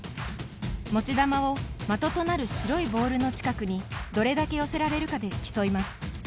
持ち玉を的となる白いボールの近くにどれだけ寄せられるかで競います。